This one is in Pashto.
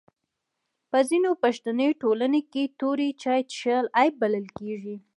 په ځینو پښتني ټولنو کي توري چای چیښل عیب بلل کیږي.